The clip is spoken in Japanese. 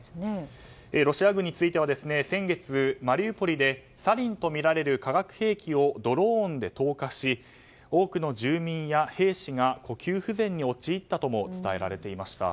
ロシア軍については先月、マリウポリでサリンとみられる化学兵器をドローンで投下し多くの住民や兵士が呼吸不全に陥ったとも伝えられていました。